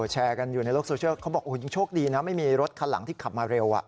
แชร์กันอยู่ในโลกโซเชียลเขาบอกยังโชคดีนะไม่มีรถคันหลังที่ขับมาเร็ว